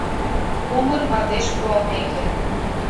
Умыр мардеж пуалмеке